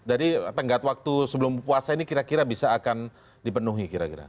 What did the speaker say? jadi tenggak waktu sebelum puasa ini kira kira bisa akan dipenuhi kira kira